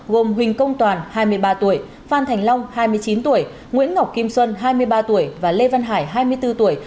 gồm huỳnh công toàn hai mươi ba tuổi phan thành long hai mươi chín tuổi nguyễn ngọc kim xuân hai mươi ba tuổi và lê văn hải hai mươi bốn tuổi